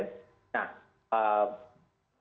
nah ini juga berarti